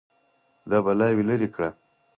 دا بلاوې لرې کړه